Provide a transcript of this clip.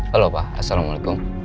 halo pak assalamualaikum